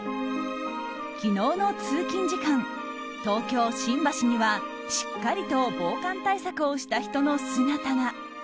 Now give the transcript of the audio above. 昨日の通勤時間東京・新橋にはしっかりと防寒対策をした人の姿が。